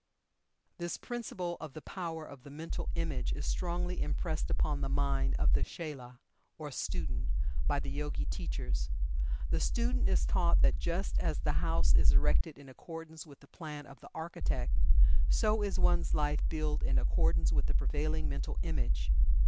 This principle of the power of the Mental Image is strongly impressed upon the mind of the chela, or student, by the Yogi teachers. The student is taught that just as the house is erected in accordance with the plan of the architect, so is one's life built in accordance with the prevailing Mental Image.